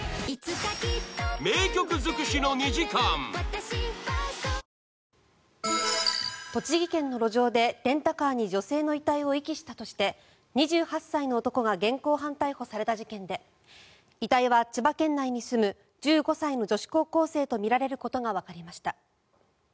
メロメロ栃木県の路上でレンタカーに女性の遺体を遺棄したとして２８歳の男が現行犯逮捕された事件で遺体は千葉県内に住む１５歳の女子高校生とみられることがわかりました。